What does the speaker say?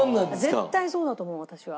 絶対そうだと思う私は。